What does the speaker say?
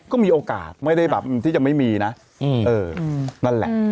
ก็มีโอกาสไม่ได้แบบที่จะไม่มีนะนั่นแหละ